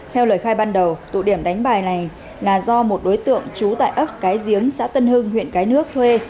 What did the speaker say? theo lời khai ban đầu tụ điểm đánh bài này là do một đối tượng trú tại ấp cái giếng xã tân hưng huyện cái nước thuê